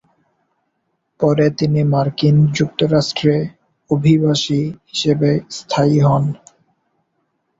পরে তিনি মার্কিন যুক্তরাষ্ট্রে অভিবাসী হিসেবে স্থায়ী হন।